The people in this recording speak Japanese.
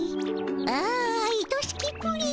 ああいとしきプリン。